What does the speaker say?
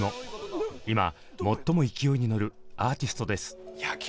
今最も勢いに乗るアーティストです。